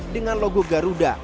dengan logo garuda